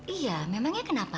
iya memangnya kenapa